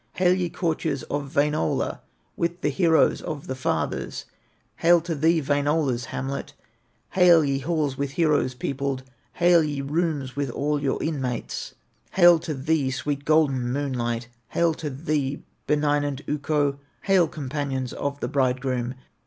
"Hail, ye courtiers of Wainola, With the heroes of the fathers, Hail to thee, Wainola's hamlet, Hail, ye halls with heroes peopled, Hail, ye rooms with all your inmates, Hail to thee, sweet golden moonlight, Hail to thee, benignant Ukko, Hail companions of the bridegroom!